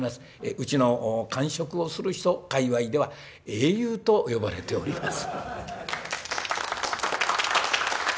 うちのを完食をする人界わいでは『英雄』と呼ばれております」。